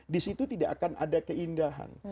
disitu tidak akan ada keindahan